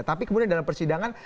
tapi kemudian dalam persidangan